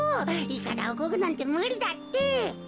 いかだをこぐなんてむりだって。